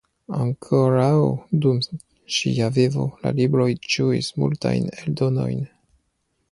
Ankoraŭ dum ŝia vivo la libroj ĝuis multajn eldonojn.